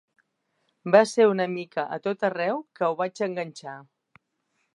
Va ser una mica a tot arreu que ho vaig enganxar.